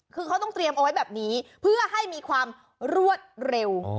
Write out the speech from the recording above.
คือเขาต้องเตรียมเอาไว้แบบนี้เพื่อให้มีความรวดเร็ว